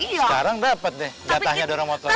sekarang dapat deh jatahnya dorong motor